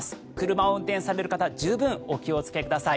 車を運転される方十分お気をつけください。